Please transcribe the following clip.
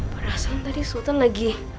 berasal tadi sultan lagi